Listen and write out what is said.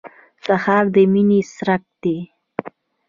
سهار د مینې څرک دی.